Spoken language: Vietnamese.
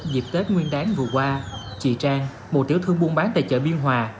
dịp tết nguyên đáng vừa qua chị trang một tiểu thương buôn bán tại chợ biên hòa